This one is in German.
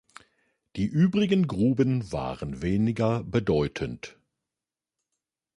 Die übrigen Gruben waren weniger bedeutend.